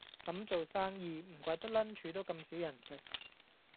咁做生意唔怪得 lunch 都咁少人食